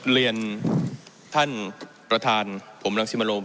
เรียนท่านประธานผมรังสิมโรม